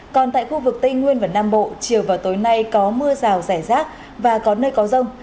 còn tại khu vực tây nguyên và nam bộ chiều vào tối nay có mưa rào rải rác và có nơi có rông